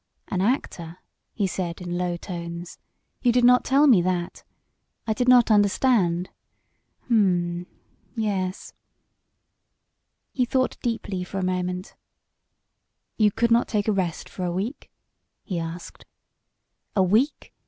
"An actor," he said in low tones. "You did not tell me that. I did not understand ... Hm! Yes!" He thought deeply for a moment. "You could not take a rest for a week?" he asked. "A week?